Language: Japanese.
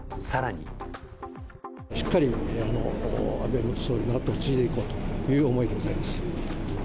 しっかり安倍元総理の後を継いでいこうという思いでございます。